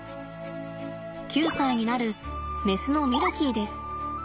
９歳になるメスのミルキーです。